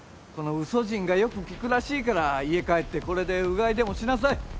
このウソジンがよく効くらしいから家帰ってこれでうがいでもしなさい。